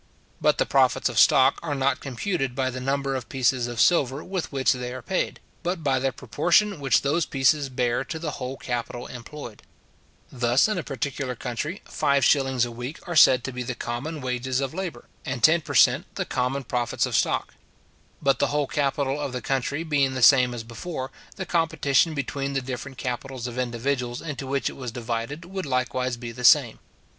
But the profits of stock are not computed by the number of pieces of silver with which they are paid, but by the proportion which those pieces bear to the whole capital employed. Thus, in a particular country, 5s. a week are said to be the common wages of labour, and ten per cent. the common profits of stock; but the whole capital of the country being the same as before, the competition between the different capitals of individuals into which it was divided would likewise be the same.